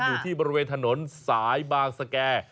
อยู่ที่บริเวณถนนสายบางสแก่